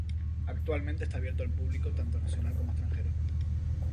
Actualmente esta abierto al publico tanto nacional como extranjero.